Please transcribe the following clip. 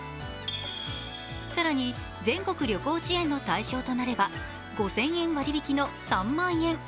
更に全国旅行支援の対象となれば５０００円割引の３万円。